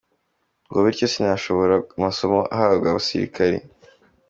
Ngo bityo sinashobora amasomo ahabwa abasilikari.